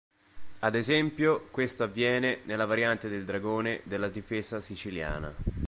Ad esempio, questo avviene nella variante del Dragone della Difesa siciliana.